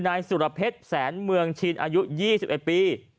นายสุรเพชรแสนเมืองชินอายุ๒๑ปี